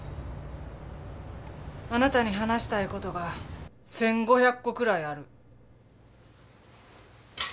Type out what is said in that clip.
あなたに話したいことが１，５００個くらいある。